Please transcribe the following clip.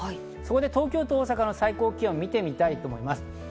東京と大阪の最高気温を見てみたいと思います。